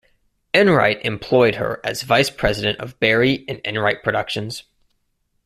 Enright employed her as vice president of Barry and Enright Productions.